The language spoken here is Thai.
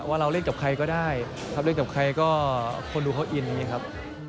ว่าเราเล่นกับใครก็ได้ครับเล่นกับใครก็คนดูเขาอินอย่างนี้ครับ